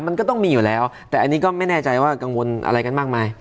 มันก็ต้องมีอยู่แล้วแต่อันนี้ก็ไม่แน่ใจว่ากังวลอะไรกันมากมาย